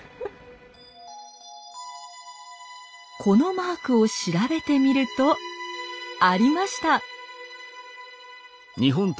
このマークを調べてみるとありました。